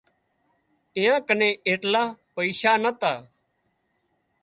ايئان ڪنين ايٽلا پئيشا نتا